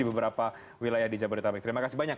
di beberapa wilayah di jabodetabek terima kasih banyak